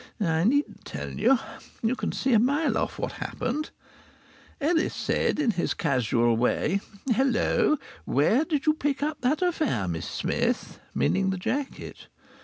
I needn't tell you. You can see a mile off what had happened. Ellis said in his casual way: "Hello! Where did you pick up that affair, Miss Smith?" Meaning the jacket.